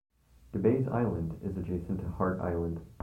Debays Island is adjacent to Hart Island.